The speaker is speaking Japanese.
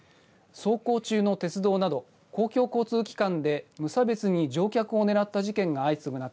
走行中の鉄道など公共交通機関で無差別に乗客を狙った事件が相次ぐ中